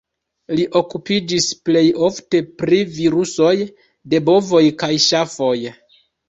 Li okupiĝis plej ofte pri virusoj de bovoj kaj ŝafoj.